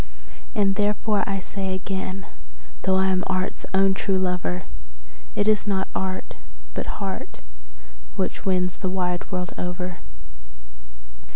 And therefore I say again, though I am art's own true lover, That it is not art, but heart, which wins the wide world over.